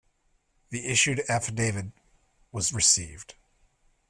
The issued affidavit was received.